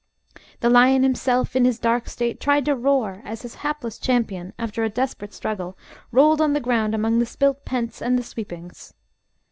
The lion himself; in his dark state, tried to roar as his hapless champion, after a desperate struggle, rolled on the ground among the spilt pence and the sweepings.